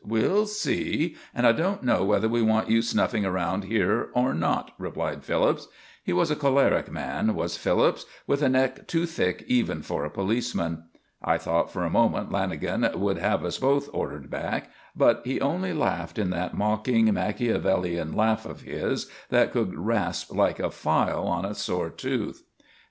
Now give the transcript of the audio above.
We'll see. And I don't know whether we want you snuffing around here or not," replied Phillips. He was a choleric man, was Phillips, with a neck too thick even for a policeman. I thought for a moment Lanagan would have us both ordered back, but he only laughed, in that mocking, Machiavelian laugh of his that could rasp like a file on a sore tooth.